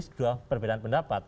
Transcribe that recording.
kalau perbedaan pendapat